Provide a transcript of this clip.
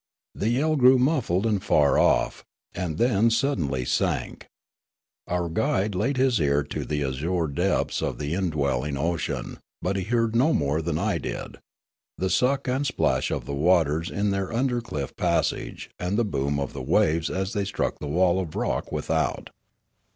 The yell grew muffled and far off, and then suddenly sank. Our guide laid his ear to the azure depths of the indwelling ocean, but he heard no more than I did, — the suck and splash of the w^aters in their undercliff passage and the boom of the waves as the}^ struck on the wall of rock without.